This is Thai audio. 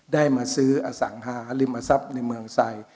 ได้มาซื้ออสังหาริมทรัพย์ในเมืองไทย